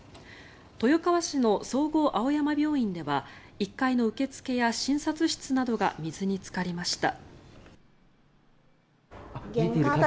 豊川市の総合青山病院では１階の受付や診察室などが水につかりました。